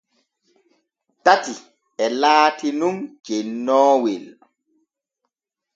Tati e laati nun cennoowel.